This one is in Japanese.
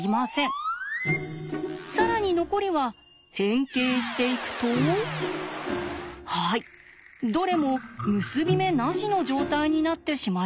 更に残りは変形していくとはいどれも結び目なしの状態になってしまいました。